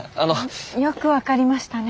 よく分かりましたね。